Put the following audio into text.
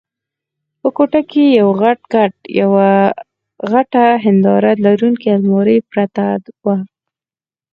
په کوټه کې یو غټ کټ او یوه غټه هنداره لرونکې المارۍ پرته وه.